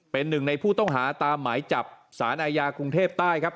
เป็นหนึ่งในผู้ต้องหาตามหมายจับสารอาญากรุงเทพใต้ครับ